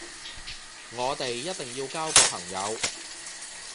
我哋一定要交個朋友